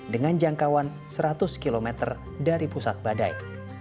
dengan jangkauan seratus km dari pusat badai